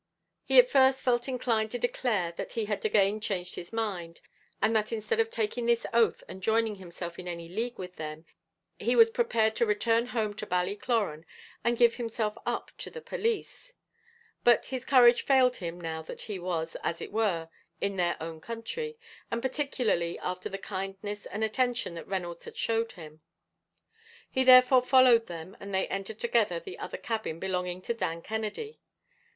He at first felt inclined to declare that he had again changed his mind, and that instead of taking this oath and joining himself in any league with them, he was prepared to return home to Ballycloran, and give himself up to the police; but his courage failed him now that he was, as it were, in their own country, and particularly after the kindness and attention that Reynolds had showed him. He therefore followed them, and they entered together the other cabin belonging to Dan Kennedy.